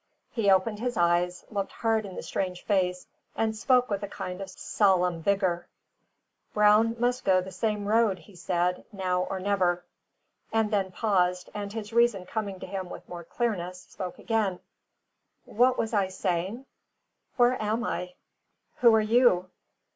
He opened his eyes, looked hard in the strange face, and spoke with a kind of solemn vigour. "Brown must go the same road," he said; "now or never." And then paused, and his reason coming to him with more clearness, spoke again: "What was I saying? Where am I? Who are you?"